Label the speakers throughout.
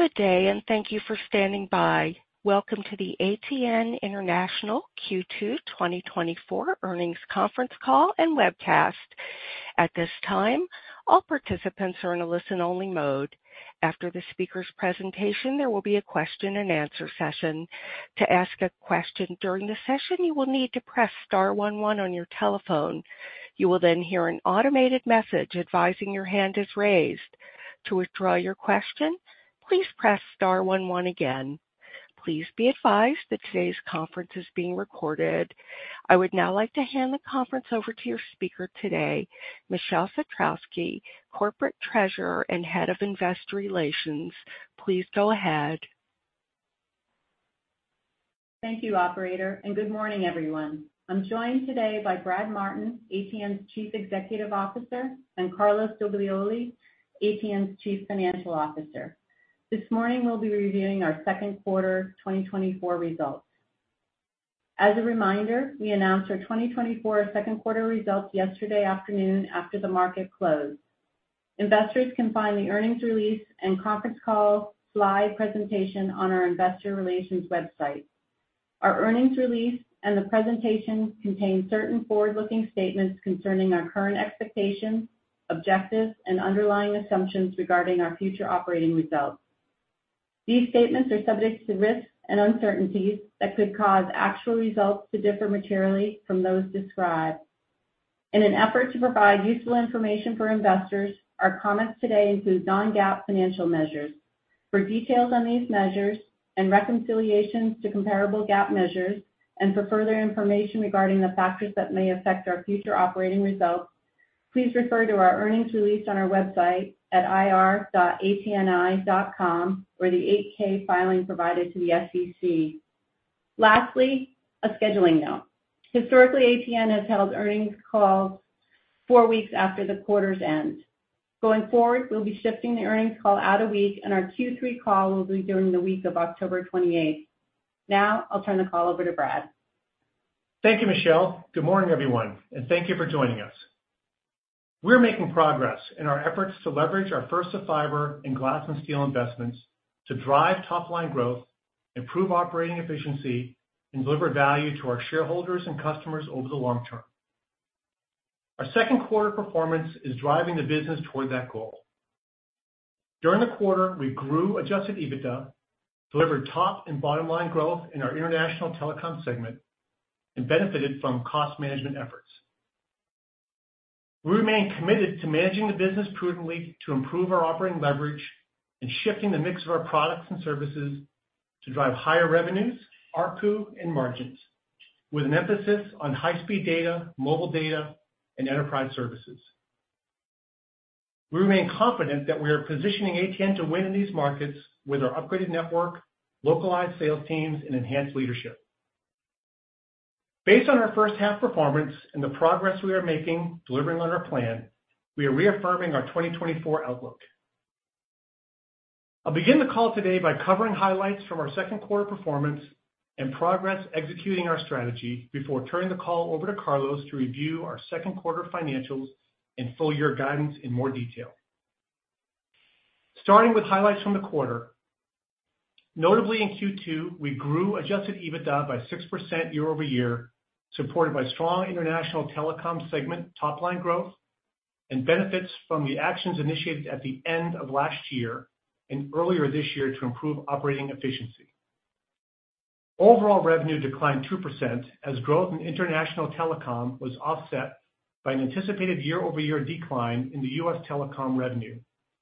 Speaker 1: Good day, and thank you for standing by. Welcome to the ATN International Q2 2024 Earnings Conference Call and Webcast. At this time, all participants are in a listen-only mode. After the speaker's presentation, there will be a question-and-answer session. To ask a question during the session, you will need to press star one one on your telephone. You will then hear an automated message advising your hand is raised. To withdraw your question, please press star one one again. Please be advised that today's conference is being recorded. I would now like to hand the conference over to your speaker today, Michele Satrowsky, Corporate Treasurer and Head of Investor Relations. Please go ahead.
Speaker 2: Thank you, Operator, and good morning, everyone. I'm joined today by Brad Martin, ATN's Chief Executive Officer, and Carlos Doglioli, ATN's Chief Financial Officer. This morning, we'll be reviewing our second quarter 2024 results. As a reminder, we announced our 2024 second quarter results yesterday afternoon after the market closed. Investors can find the earnings release and conference call slide presentation on our Investor Relations website. Our earnings release and the presentation contain certain forward-looking statements concerning our current expectations, objectives, and underlying assumptions regarding our future operating results. These statements are subject to risks and uncertainties that could cause actual results to differ materially from those described. In an effort to provide useful information for investors, our comments today include non-GAAP financial measures. For details on these measures and reconciliations to comparable GAAP measures, and for further information regarding the factors that may affect our future operating results, please refer to our earnings release on our website at ir.atni.com or the 8-K filing provided to the SEC. Lastly, a scheduling note. Historically, ATN has held earnings calls four weeks after the quarter's end. Going forward, we'll be shifting the earnings call out a week, and our Q3 call will be during the week of October 28th. Now, I'll turn the call over to Brad.
Speaker 3: Thank you, Michele. Good morning, everyone, and thank you for joining us. We're making progress in our efforts to leverage our First-to-Fiber and Glass & Steel investments to drive top-line growth, improve operating efficiency, and deliver value to our shareholders and customers over the long term. Our second quarter performance is driving the business toward that goal. During the quarter, we grew Adjusted EBITDA, delivered top and bottom-line growth in our international telecom segment, and benefited from cost management efforts. We remain committed to managing the business prudently to improve our operating leverage and shifting the mix of our products and services to drive higher revenues, ARPU, and margins, with an emphasis on high-speed data, mobile data, and enterprise services. We remain confident that we are positioning ATN to win in these markets with our upgraded network, localized sales teams, and enhanced leadership. Based on our first-half performance and the progress we are making, delivering on our plan, we are reaffirming our 2024 outlook. I'll begin the call today by covering highlights from our second quarter performance and progress executing our strategy before turning the call over to Carlos to review our second quarter financials and full-year guidance in more detail. Starting with highlights from the quarter, notably in Q2, we grew Adjusted EBITDA by 6% year-over-year, supported by strong international telecom segment top-line growth and benefits from the actions initiated at the end of last year and earlier this year to improve operating efficiency. Overall revenue declined 2% as growth in international telecom was offset by an anticipated year-over-year decline in the U.S. telecom revenue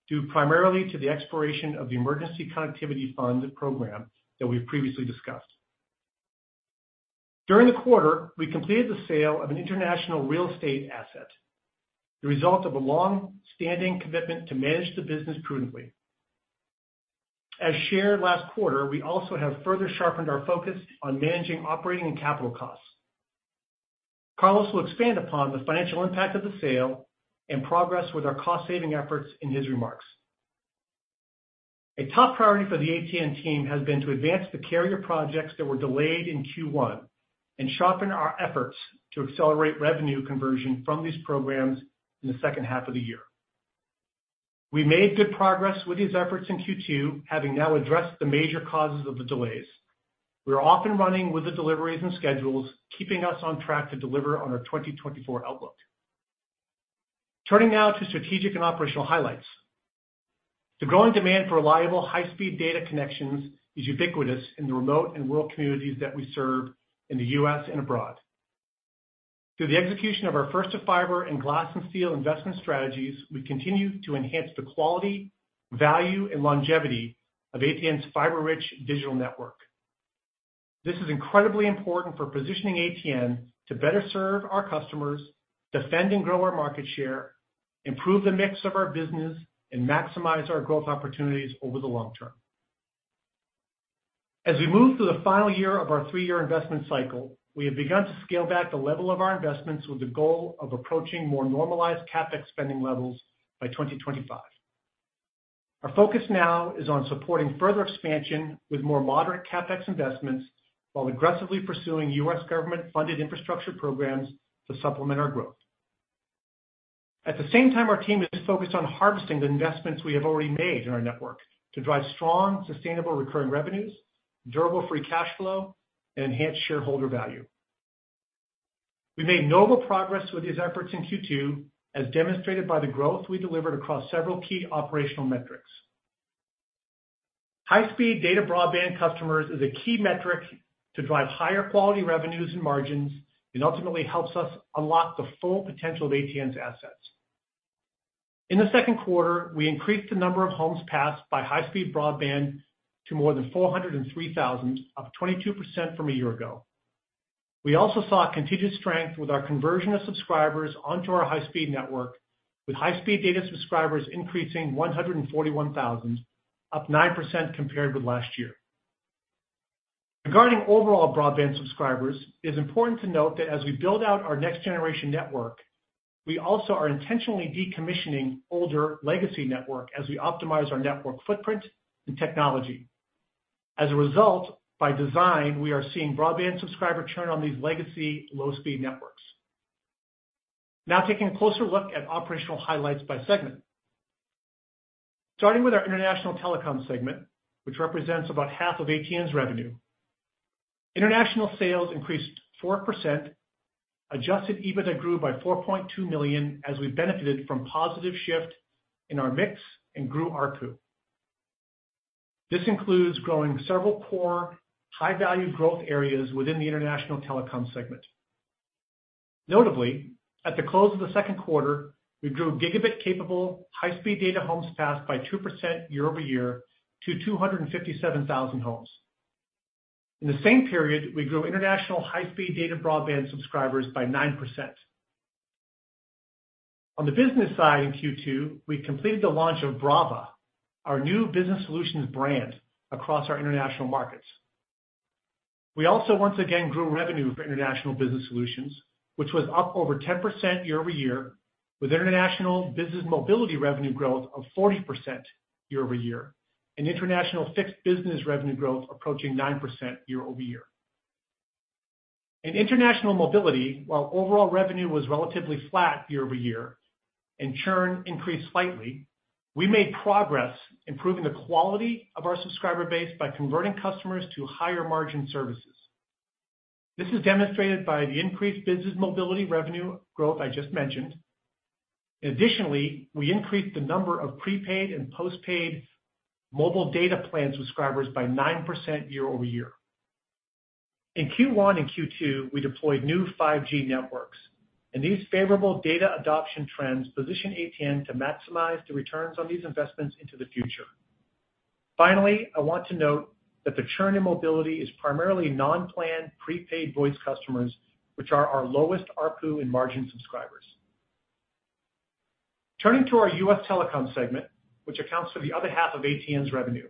Speaker 3: due primarily to the expiration of the Emergency Connectivity Fund program that we've previously discussed. During the quarter, we completed the sale of an international real estate asset, the result of a long-standing commitment to manage the business prudently. As shared last quarter, we also have further sharpened our focus on managing operating and capital costs. Carlos will expand upon the financial impact of the sale and progress with our cost-saving efforts in his remarks. A top priority for the ATN team has been to advance the carrier projects that were delayed in Q1 and sharpen our efforts to accelerate revenue conversion from these programs in the second half of the year. We made good progress with these efforts in Q2, having now addressed the major causes of the delays. We are off and running with the deliveries and schedules, keeping us on track to deliver on our 2024 outlook. Turning now to strategic and operational highlights. The growing demand for reliable, high-speed data connections is ubiquitous in the remote and rural communities that we serve in the U.S. and abroad. Through the execution of our First-to-Fiber and Glass & Steel investment strategies, we continue to enhance the quality, value, and longevity of ATN's fiber-rich digital network. This is incredibly important for positioning ATN to better serve our customers, defend and grow our market share, improve the mix of our business, and maximize our growth opportunities over the long term. As we move through the final year of our three-year investment cycle, we have begun to scale back the level of our investments with the goal of approaching more normalized CapEx spending levels by 2025. Our focus now is on supporting further expansion with more moderate CapEx investments while aggressively pursuing U.S. government-funded infrastructure programs to supplement our growth. At the same time, our team is focused on harvesting the investments we have already made in our network to drive strong, sustainable recurring revenues, durable free cash flow, and enhanced shareholder value. We made notable progress with these efforts in Q2, as demonstrated by the growth we delivered across several key operational metrics. High-speed data broadband customers is a key metric to drive higher quality revenues and margins and ultimately helps us unlock the full potential of ATN's assets. In the second quarter, we increased the number of homes passed by high-speed broadband to more than 403,000, up 22% from a year ago. We also saw continued strength with our conversion of subscribers onto our high-speed network, with high-speed data subscribers increasing 141,000, up 9% compared with last year. Regarding overall broadband subscribers, it is important to note that as we build out our next-generation network, we also are intentionally decommissioning older legacy networks as we optimize our network footprint and technology. As a result, by design, we are seeing broadband subscribers turn on these legacy low-speed networks. Now, taking a closer look at operational highlights by segment. Starting with our international telecom segment, which represents about half of ATN's revenue, international sales increased 4%, adjusted EBITDA grew by $4.2 million as we benefited from a positive shift in our mix and grew ARPU. This includes growing several core high-value growth areas within the international telecom segment. Notably, at the close of the second quarter, we grew gigabit-capable high-speed data homes passed by 2% year-over-year to 257,000 homes. In the same period, we grew international high-speed data broadband subscribers by 9%. On the business side in Q2, we completed the launch of Brava, our new business solutions brand across our international markets. We also once again grew revenue for international business solutions, which was up over 10% year-over-year, with international business mobility revenue growth of 40% year-over-year and international fixed business revenue growth approaching 9% year-over-year. In international mobility, while overall revenue was relatively flat year-over-year and churn increased slightly, we made progress in improving the quality of our subscriber base by converting customers to higher-margin services. This is demonstrated by the increased business mobility revenue growth I just mentioned. Additionally, we increased the number of prepaid and postpaid mobile data plan subscribers by 9% year-over-year. In Q1 and Q2, we deployed new 5G networks, and these favorable data adoption trends position ATN to maximize the returns on these investments into the future. Finally, I want to note that the churn in mobility is primarily non-planned prepaid voice customers, which are our lowest ARPU and margin subscribers. Turning to our U.S. telecom segment, which accounts for the other half of ATN's revenue,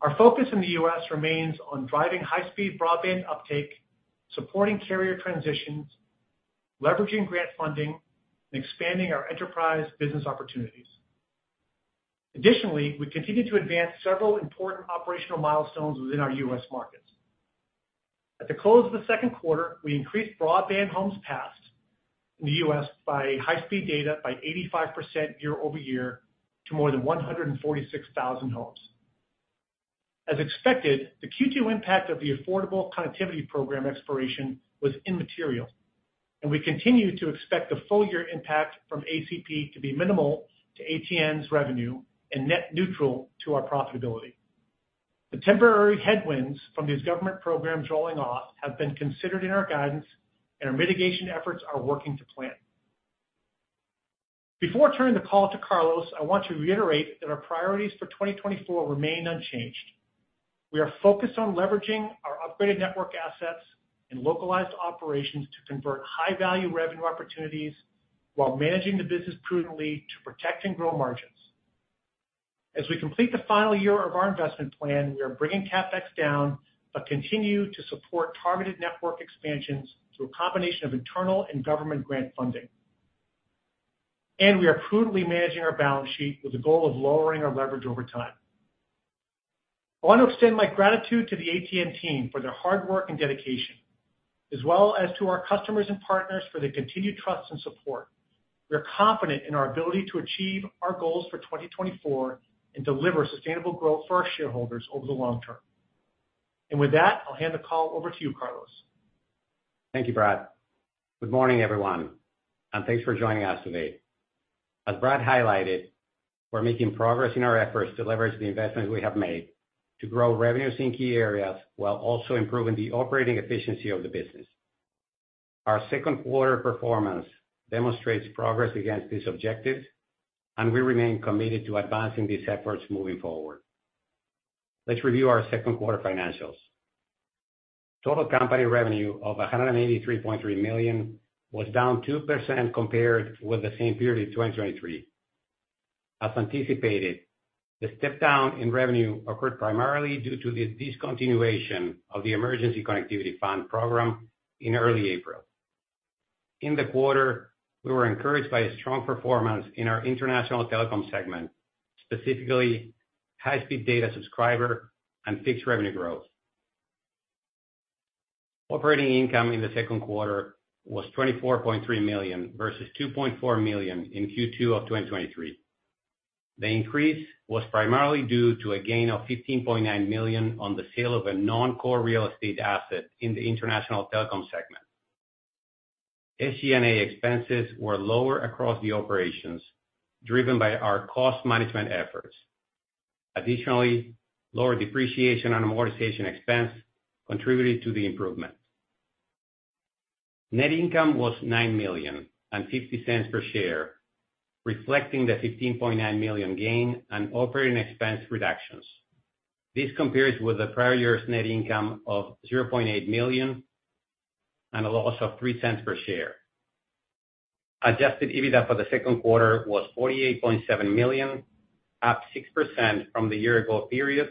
Speaker 3: our focus in the U.S. remains on driving high-speed broadband uptake, supporting carrier transitions, leveraging grant funding, and expanding our enterprise business opportunities. Additionally, we continue to advance several important operational milestones within our U.S. markets. At the close of the second quarter, we increased broadband homes passed in the U.S. by high-speed data by 85% year-over-year to more than 146,000 homes. As expected, the Q2 impact of the Affordable Connectivity Program expiration was immaterial, and we continue to expect the full-year impact from ACP to be minimal to ATN's revenue and net neutral to our profitability. The temporary headwinds from these government programs rolling off have been considered in our guidance, and our mitigation efforts are working to plan. Before turning the call to Carlos, I want to reiterate that our priorities for 2024 remain unchanged. We are focused on leveraging our upgraded network assets and localized operations to convert high-value revenue opportunities while managing the business prudently to protect and grow margins. As we complete the final year of our investment plan, we are bringing CapEx down but continue to support targeted network expansions through a combination of internal and government grant funding. We are prudently managing our balance sheet with the goal of lowering our leverage over time. I want to extend my gratitude to the ATN team for their hard work and dedication, as well as to our customers and partners for their continued trust and support. We are confident in our ability to achieve our goals for 2024 and deliver sustainable growth for our shareholders over the long term. With that, I'll hand the call over to you, Carlos.
Speaker 4: Thank you, Brad. Good morning, everyone, and thanks for joining us today. As Brad highlighted, we're making progress in our efforts to leverage the investments we have made to grow revenues in key areas while also improving the operating efficiency of the business. Our second-quarter performance demonstrates progress against these objectives, and we remain committed to advancing these efforts moving forward. Let's review our second-quarter financials. Total company revenue of $183.3 million was down 2% compared with the same period in 2023. As anticipated, the step down in revenue occurred primarily due to the discontinuation of the Emergency Connectivity Fund program in early April. In the quarter, we were encouraged by a strong performance in our international telecom segment, specifically high-speed data subscriber and fixed revenue growth. Operating income in the second quarter was $24.3 million versus $2.4 million in Q2 of 2023. The increase was primarily due to a gain of $15.9 million on the sale of a non-core real estate asset in the international telecom segment. SG&A expenses were lower across the operations, driven by our cost management efforts. Additionally, lower depreciation and amortization expense contributed to the improvement. Net income was $9 million and $0.50 per share, reflecting the $15.9 million gain and operating expense reductions. This compares with the prior year's net income of $0.8 million and a loss of $0.03 per share. Adjusted EBITDA for the second quarter was $48.7 million, up 6% from the year-ago period,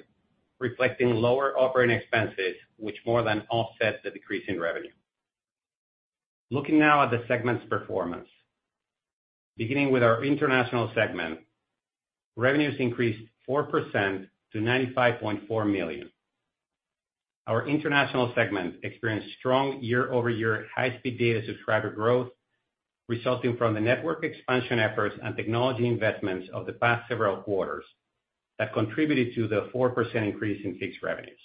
Speaker 4: reflecting lower operating expenses, which more than offset the decrease in revenue. Looking now at the segment's performance, beginning with our international segment, revenues increased 4% to $95.4 million. Our international segment experienced strong year-over-year high-speed data subscriber growth, resulting from the network expansion efforts and technology investments of the past several quarters that contributed to the 4% increase in fixed revenues.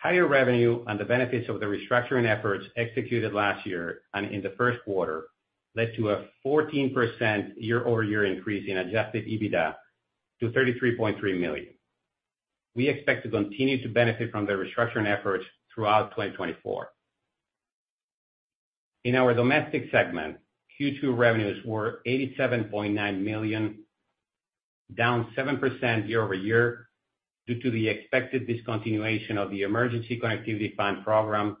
Speaker 4: Higher revenue and the benefits of the restructuring efforts executed last year and in the first quarter led to a 14% year-over-year increase in Adjusted EBITDA to $33.3 million. We expect to continue to benefit from the restructuring efforts throughout 2024. In our domestic segment, Q2 revenues were $87.9 million, down 7% year-over-year due to the expected discontinuation of the Emergency Connectivity Fund program,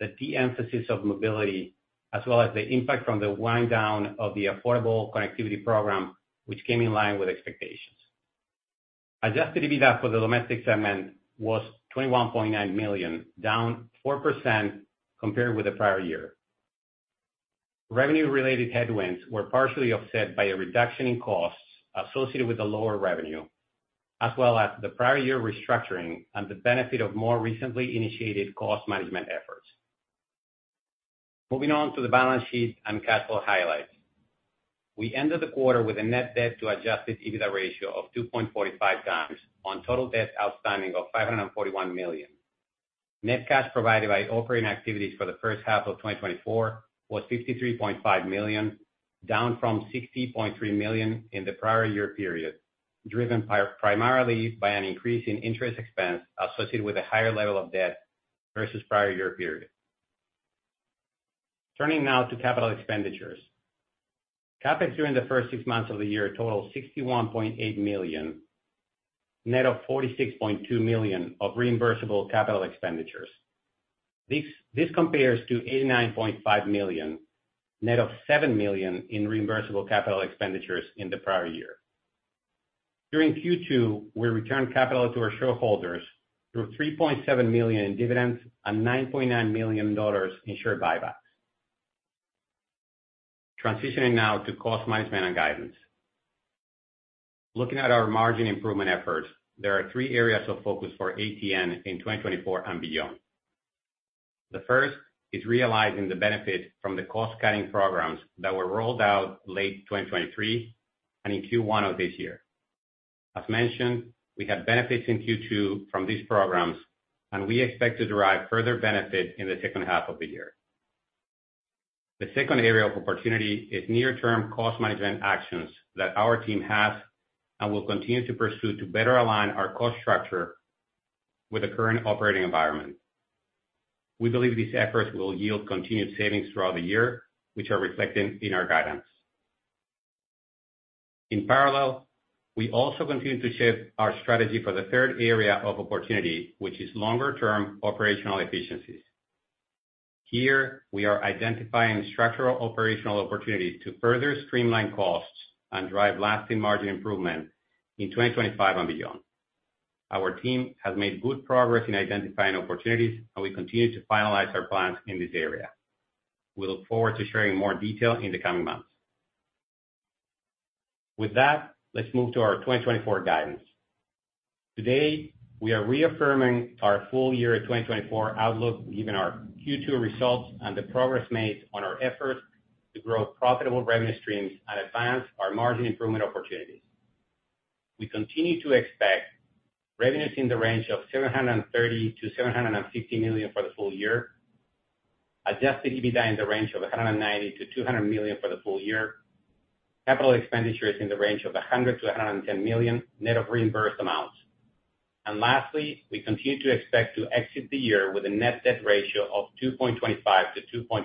Speaker 4: the de-emphasis of mobility, as well as the impact from the wind-down of the Affordable Connectivity Program, which came in line with expectations. Adjusted EBITDA for the domestic segment was $21.9 million, down 4% compared with the prior year. Revenue-related headwinds were partially offset by a reduction in costs associated with the lower revenue, as well as the prior year restructuring and the benefit of more recently initiated cost management efforts. Moving on to the balance sheet and cash flow highlights. We ended the quarter with a net debt to Adjusted EBITDA ratio of 2.45x on total debt outstanding of $541 million. Net cash provided by operating activities for the first half of 2024 was $53.5 million, down from $60.3 million in the prior year period, driven primarily by an increase in interest expense associated with a higher level of debt versus prior year period. Turning now to capital expenditures. CapEx during the first six months of the year totaled $61.8 million, net of $46.2 million of reimbursable capital expenditures. This compares to $89.5 million, net of $7 million in reimbursable capital expenditures in the prior year. During Q2, we returned capital to our shareholders through $3.7 million in dividends and $9.9 million in share buybacks. Transitioning now to cost management and guidance. Looking at our margin improvement efforts, there are three areas of focus for ATN in 2024 and beyond. The first is realizing the benefit from the cost-cutting programs that were rolled out late 2023 and in Q1 of this year. As mentioned, we had benefits in Q2 from these programs, and we expect to derive further benefit in the second half of the year. The second area of opportunity is near-term cost management actions that our team has and will continue to pursue to better align our cost structure with the current operating environment. We believe these efforts will yield continued savings throughout the year, which are reflected in our guidance. In parallel, we also continue to shape our strategy for the third area of opportunity, which is longer-term operational efficiencies. Here, we are identifying structural operational opportunities to further streamline costs and drive lasting margin improvement in 2025 and beyond. Our team has made good progress in identifying opportunities, and we continue to finalize our plans in this area. We look forward to sharing more detail in the coming months. With that, let's move to our 2024 guidance. Today, we are reaffirming our full-year 2024 outlook given our Q2 results and the progress made on our efforts to grow profitable revenue streams and advance our margin improvement opportunities. We continue to expect revenues in the range of $730 million-$750 million for the full year, adjusted EBITDA in the range of $190 million-$200 million for the full year, capital expenditures in the range of $100 million-$110 million net of reimbursed amounts. Lastly, we continue to expect to exit the year with a net debt ratio of 2.25-2.5.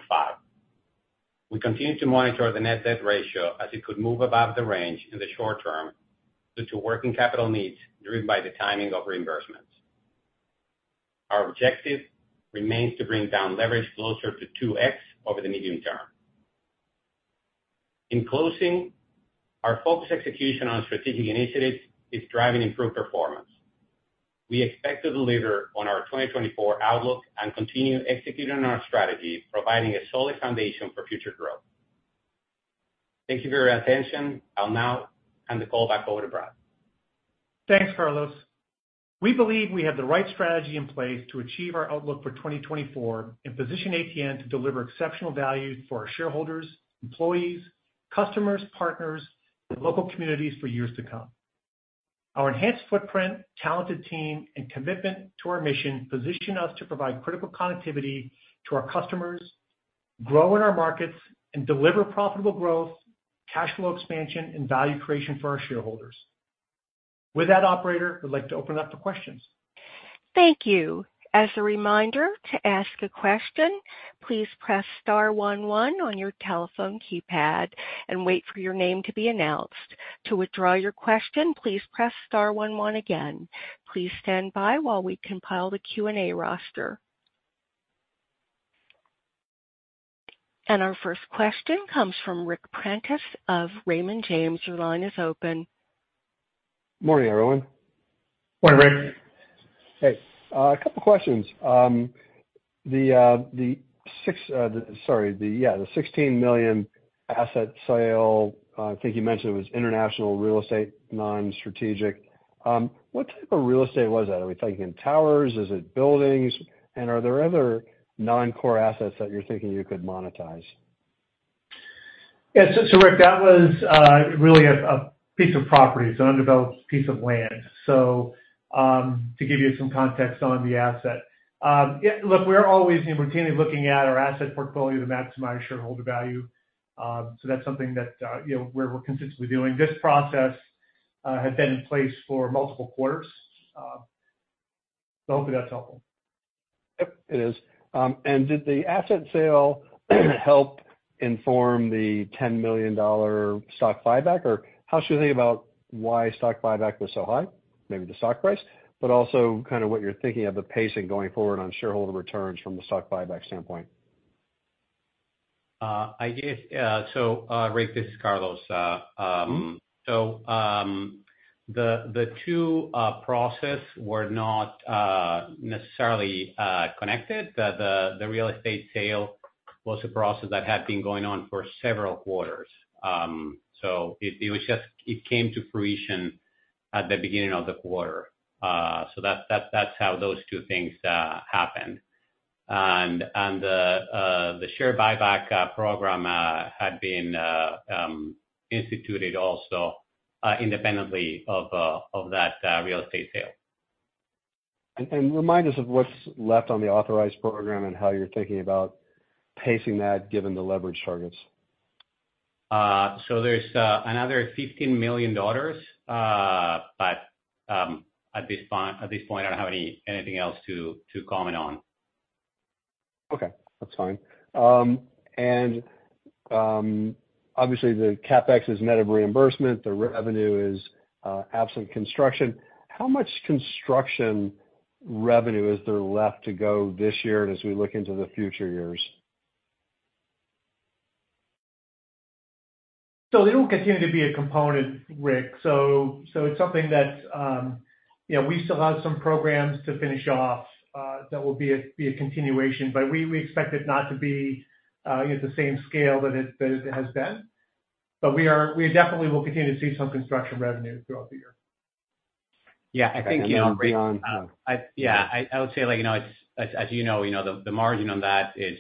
Speaker 4: We continue to monitor the net debt ratio as it could move above the range in the short term due to working capital needs driven by the timing of reimbursements. Our objective remains to bring down leverage closer to 2x over the medium term. In closing, our focus execution on strategic initiatives is driving improved performance. We expect to deliver on our 2024 outlook and continue executing our strategy, providing a solid foundation for future growth. Thank you for your attention. I'll now hand the call back over to Brad.
Speaker 3: Thanks, Carlos. We believe we have the right strategy in place to achieve our outlook for 2024 and position ATN to deliver exceptional value for our shareholders, employees, customers, partners, and local communities for years to come. Our enhanced footprint, talented team, and commitment to our mission position us to provide critical connectivity to our customers, grow in our markets, and deliver profitable growth, cash flow expansion, and value creation for our shareholders. With that, Operator, we'd like to open it up to questions.
Speaker 1: Thank you. As a reminder, to ask a question, please press star one one on your telephone keypad and wait for your name to be announced. To withdraw your question, please press star one one again. Please stand by while we compile the Q&A roster. Our first question comes from Ric Prentiss of Raymond James. Your line is open.
Speaker 5: Morning, everyone.
Speaker 3: Morning, Ric.
Speaker 5: Hey. A couple of questions. The $16 million asset sale, I think you mentioned it was international real estate, non-strategic. What type of real estate was that? Are we thinking towers? Is it buildings? And are there other non-core assets that you're thinking you could monetize?
Speaker 3: Yeah. So, Ric, that was really a piece of property, so an undeveloped piece of land. So, to give you some context on the asset, yeah, look, we're always routinely looking at our asset portfolio to maximize shareholder value. So that's something that we're consistently doing. This process had been in place for multiple quarters. So hopefully that's helpful.
Speaker 5: Yep, it is. And did the asset sale help inform the $10 million stock buyback? Or how should we think about why stock buyback was so high? Maybe the stock price, but also kind of what you're thinking of the pace in going forward on shareholder returns from the stock buyback standpoint.
Speaker 4: I guess, so, Ric, this is Carlos. So the two processes were not necessarily connected. The real estate sale was a process that had been going on for several quarters. So it was just, it came to fruition at the beginning of the quarter. So that's how those two things happened. And the share buyback program had been instituted also independently of that real estate sale.
Speaker 5: Remind us of what's left on the authorized program and how you're thinking about pacing that given the leverage targets?
Speaker 4: So there's another $15 million, but at this point, I don't have anything else to comment on.
Speaker 5: Okay. That's fine. And obviously, the CapEx is net of reimbursement. The revenue is absent construction. How much construction revenue is there left to go this year and as we look into the future years?
Speaker 3: So it will continue to be a component, Ric. So it's something that we still have some programs to finish off that will be a continuation, but we expect it not to be at the same scale that it has been. But we definitely will continue to see some construction revenue throughout the year.
Speaker 4: Yeah. I think beyond. Yeah. I would say, as you know, the margin on that is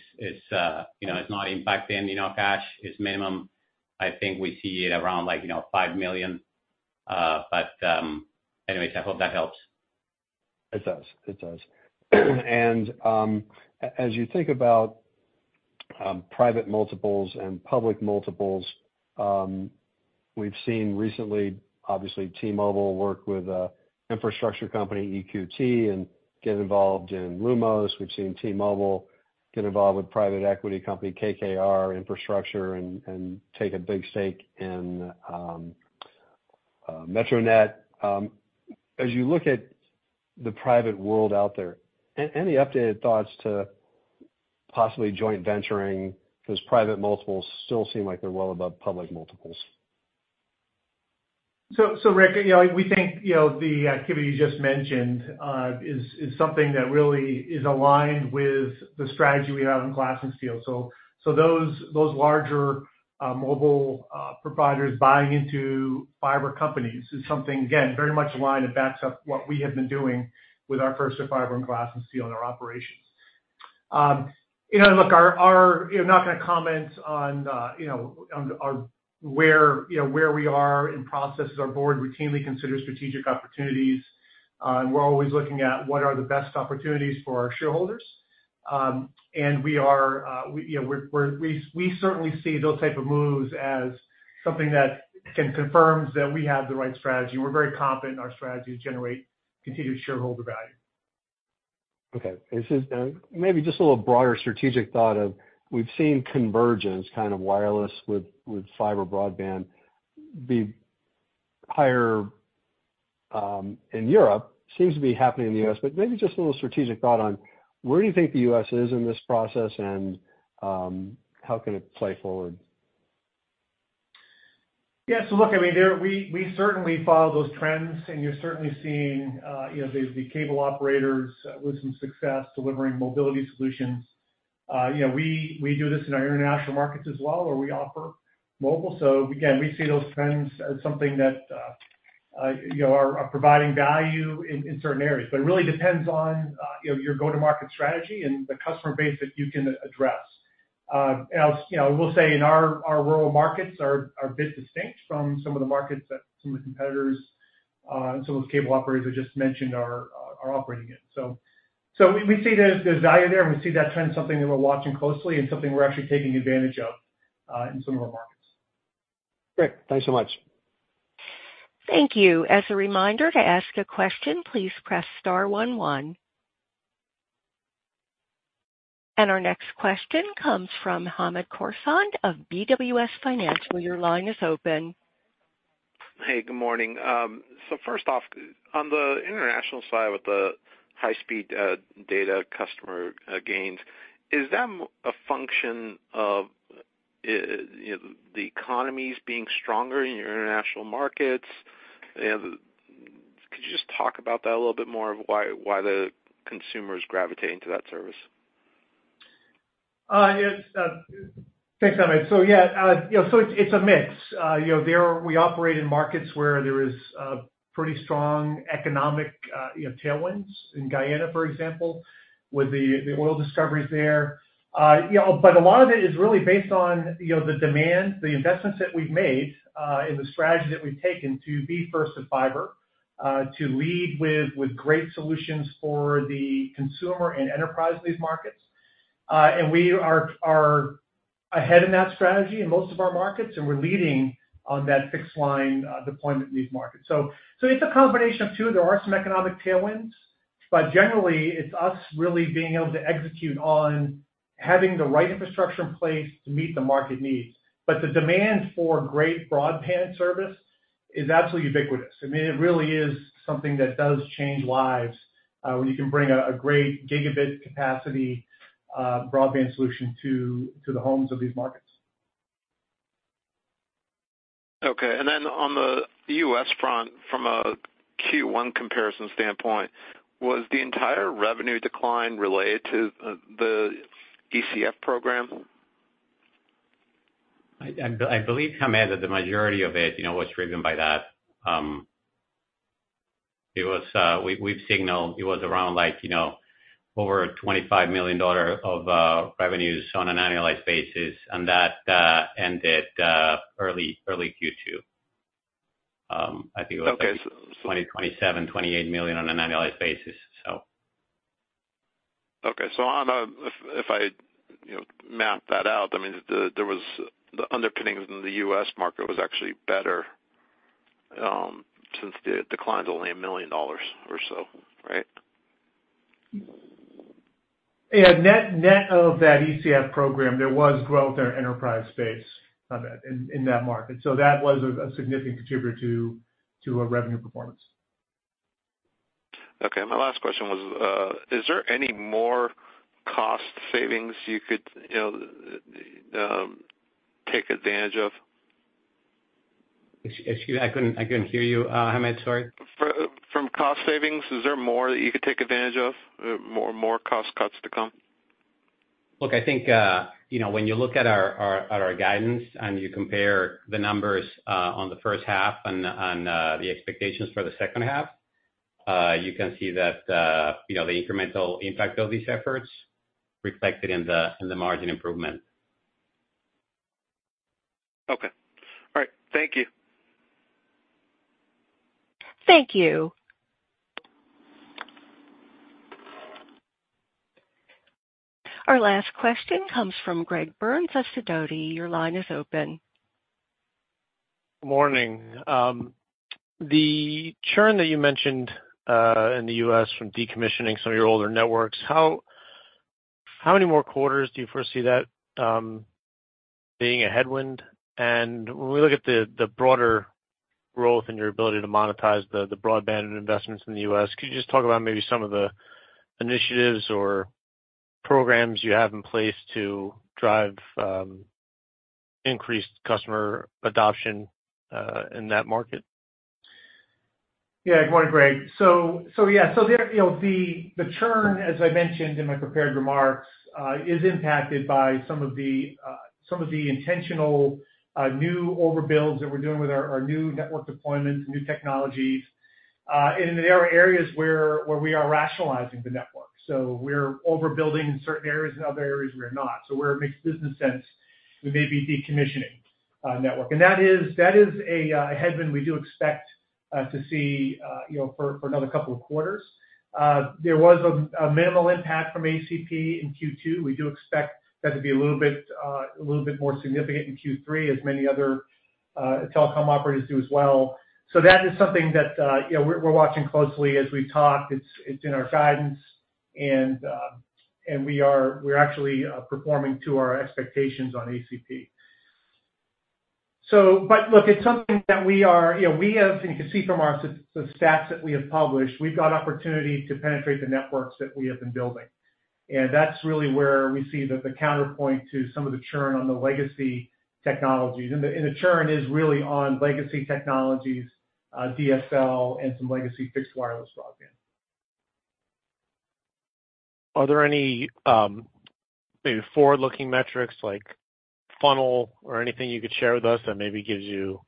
Speaker 4: not impacting cash. It's minimum. I think we see it around $5 million. But anyways, I hope that helps.
Speaker 5: It does. It does. And as you think about private multiples and public multiples, we've seen recently, obviously, T-Mobile work with an infrastructure company, EQT, and get involved in Lumos. We've seen T-Mobile get involved with private equity company, KKR Infrastructure, and take a big stake in Metronet. As you look at the private world out there, any updated thoughts to possibly joint venturing? Because private multiples still seem like they're well above public multiples.
Speaker 3: So, Ric, we think the activity you just mentioned is something that really is aligned with the strategy we have in Glass & Steel. So those larger mobile providers buying into fiber companies is something, again, very much aligned and backs up what we have been doing with our First-to-Fiber and Glass & Steel in our operations. Look, I'm not going to comment on where we are in processes. Our board routinely considers strategic opportunities. We're always looking at what are the best opportunities for our shareholders. We certainly see those types of moves as something that confirms that we have the right strategy. We're very confident our strategies generate continued shareholder value.
Speaker 5: Okay. This is maybe just a little broader strategic thought of we've seen convergence kind of wireless with fiber broadband be higher in Europe. Seems to be happening in the U.S., but maybe just a little strategic thought on where do you think the U.S. is in this process and how can it play forward?
Speaker 3: Yeah. So look, I mean, we certainly follow those trends. And you're certainly seeing the cable operators with some success delivering mobility solutions. We do this in our international markets as well, where we offer mobile. So again, we see those trends as something that are providing value in certain areas. But it really depends on your go-to-market strategy and the customer base that you can address. And we'll say in our rural markets, we're a bit distinct from some of the markets that some of the competitors and some of the cable operators I just mentioned are operating in. So we see there's value there, and we see that trend as something that we're watching closely and something we're actually taking advantage of in some of our markets.
Speaker 5: Great. Thanks so much.
Speaker 1: Thank you. As a reminder, to ask a question, please press star one one. Our next question comes from Hamed Khorsand of BWS Financial. Your line is open.
Speaker 6: Hey, good morning. So first off, on the international side with the high-speed data customer gains, is that a function of the economies being stronger in your international markets? Could you just talk about that a little bit more of why the consumer is gravitating to that service?
Speaker 3: Thanks, Hamed. So yeah, so it's a mix. We operate in markets where there is pretty strong economic tailwinds in Guyana, for example, with the oil discoveries there. But a lot of it is really based on the demand, the investments that we've made in the strategy that we've taken to be first in fiber, to lead with great solutions for the consumer and enterprise in these markets. And we are ahead in that strategy in most of our markets, and we're leading on that fixed-line deployment in these markets. So it's a combination of two. There are some economic tailwinds, but generally, it's us really being able to execute on having the right infrastructure in place to meet the market needs. But the demand for great broadband service is absolutely ubiquitous. I mean, it really is something that does change lives when you can bring a great gigabit capacity broadband solution to the homes of these markets.
Speaker 6: Okay. And then on the U.S. front, from a Q1 comparison standpoint, was the entire revenue decline related to the ECF program?
Speaker 4: I believe, Hamed, that the majority of it was driven by that. We've signaled it was around over $25 million of revenues on an annualized basis, and that ended early Q2. I think it was $27 million-$28 million on an annualized basis, so.
Speaker 6: Okay. So if I map that out, I mean, the underpinnings in the U.S. market was actually better since the decline's only $1 million or so, right?
Speaker 3: Yeah. Net of that ECF program, there was growth in our enterprise space in that market. So that was a significant contributor to our revenue performance.
Speaker 6: Okay. My last question was, is there any more cost savings you could take advantage of?
Speaker 4: Excuse me. I couldn't hear you, Hamed. Sorry.
Speaker 6: From cost savings, is there more that you could take advantage of? More cost cuts to come?
Speaker 4: Look, I think when you look at our guidance and you compare the numbers on the first half and the expectations for the second half, you can see that the incremental impact of these efforts reflected in the margin improvement.
Speaker 6: Okay. All right. Thank you.
Speaker 1: Thank you. Our last question comes from Greg Burns, Sidoti. Your line is open.
Speaker 7: Morning. The churn that you mentioned in the U.S. from decommissioning some of your older networks, how many more quarters do you foresee that being a headwind? And when we look at the broader growth and your ability to monetize the broadband investments in the U.S., could you just talk about maybe some of the initiatives or programs you have in place to drive increased customer adoption in that market?
Speaker 3: Yeah. Good morning, Greg. So yeah. So the churn, as I mentioned in my prepared remarks, is impacted by some of the intentional new overbuilds that we're doing with our new network deployments, new technologies. And there are areas where we are rationalizing the network. So we're overbuilding in certain areas and other areas we're not. So where it makes business sense, we may be decommissioning a network. And that is a headwind we do expect to see for another couple of quarters. There was a minimal impact from ACP in Q2. We do expect that to be a little bit more significant in Q3, as many other telecom operators do as well. So that is something that we're watching closely as we talk. It's in our guidance, and we are actually performing to our expectations on ACP. But look, it's something that we are and you can see from the stats that we have published, we've got opportunity to penetrate the networks that we have been building. And that's really where we see the counterpoint to some of the churn on the legacy technologies. And the churn is really on legacy technologies, DSL, and some legacy fixed wireless broadband.
Speaker 7: Are there any forward-looking metrics like funnel or anything you could share with us that maybe gives you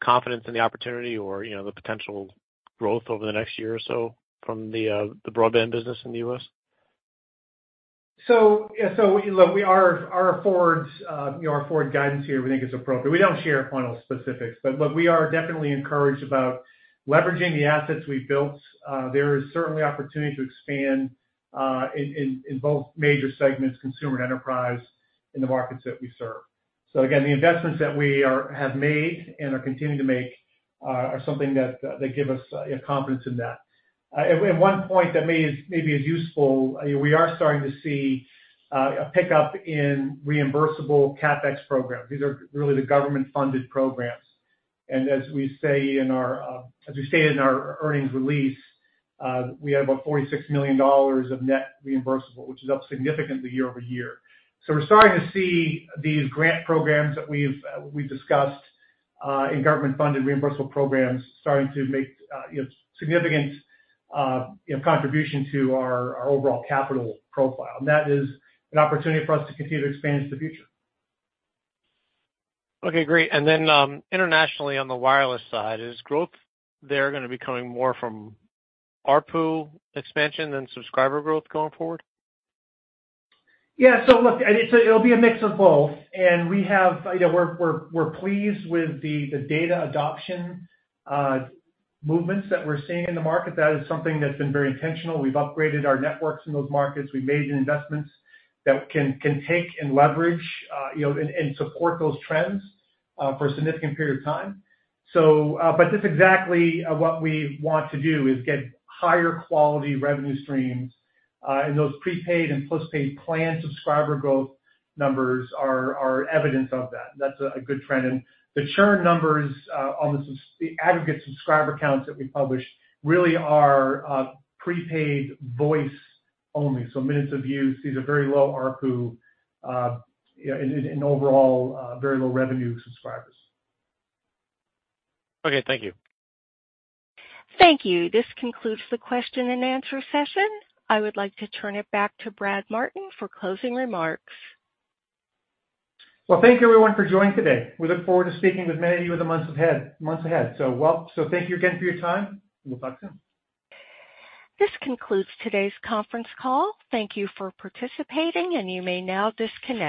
Speaker 7: confidence in the opportunity or the potential growth over the next year or so from the broadband business in the U.S.?
Speaker 3: So look, our forward guidance here, we think it's appropriate. We don't share final specifics. But look, we are definitely encouraged about leveraging the assets we've built. There is certainly opportunity to expand in both major segments, consumer and enterprise, in the markets that we serve. So again, the investments that we have made and are continuing to make are something that give us confidence in that. At one point, that maybe is useful. We are starting to see a pickup in reimbursable CapEx programs. These are really the government-funded programs. And as we say in our, as we stated in our earnings release, we have about $46 million of net reimbursable, which is up significantly year-over-year. So we're starting to see these grant programs that we've discussed in government-funded reimbursable programs starting to make significant contributions to our overall capital profile. That is an opportunity for us to continue to expand into the future.
Speaker 7: Okay. Great. And then internationally on the wireless side, is growth there going to be coming more from ARPU expansion than subscriber growth going forward?
Speaker 3: Yeah. So look, it'll be a mix of both. And we're pleased with the data adoption movements that we're seeing in the market. That is something that's been very intentional. We've upgraded our networks in those markets. We've made investments that can take and leverage and support those trends for a significant period of time. But that's exactly what we want to do is get higher quality revenue streams. And those prepaid and postpaid plan subscriber growth numbers are evidence of that. That's a good trend. And the churn numbers on the aggregate subscriber counts that we published really are prepaid voice only, so minutes of use. These are very low ARPU and overall very low revenue subscribers.
Speaker 7: Okay. Thank you.
Speaker 1: Thank you. This concludes the question and answer session. I would like to turn it back to Brad Martin for closing remarks.
Speaker 3: Well, thank you, everyone, for joining today. We look forward to speaking with many of you in the months ahead. So thank you again for your time. We'll talk soon.
Speaker 1: This concludes today's conference call. Thank you for participating, and you may now disconnect.